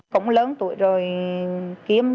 cũng lớn tuổi rồi kiếm chỗ để